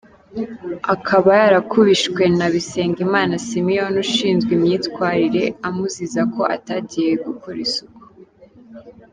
Akaba yarakubishwe na Bisengimana Simeon ushinzwe imyitwarire amuziza ko atagiye gukora isuku.